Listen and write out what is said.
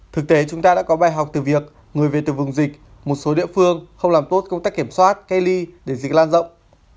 thực tế chúng ta đã có bài học từ việc người về từ vùng dịch một số địa phương không làm tốt công tác kiểm soát cách ly để dịch lan rộng